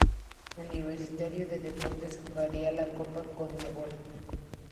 Universitario de Deportes jugaría la Copa Conmebol.